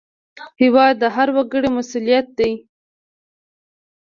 هېواد د هر وګړي مسوولیت دی.